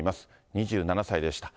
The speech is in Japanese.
２７歳でした。